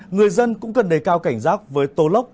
người dân cũng cần đề cao cảnh giác với tô lốc